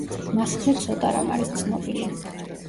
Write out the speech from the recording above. მასზე ცოტა რამ არის ცნობილი.